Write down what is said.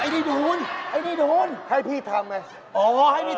ได้มีบทโรงโทษด้วย